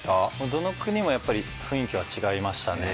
どの国もやっぱり雰囲気は違いましたね。